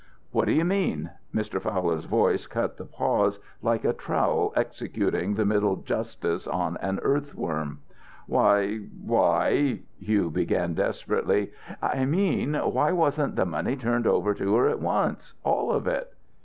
"What do you mean?" Mr. Fowler's voice cut the pause like a trowel executing the middle justice on an earthworm. "Why why " Hugh began, desperately. "I mean, why wasn't the money turned over to her at once all of it?"